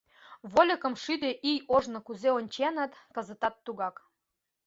— Вольыкым шӱдӧ ий ожно кузе онченыт — кызытат тугак.